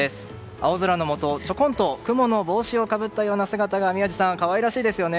青空の下、ちょこんと雲の帽子をかぶったような姿が宮司さん、可愛らしいですよね。